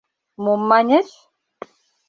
— Мом маньыч?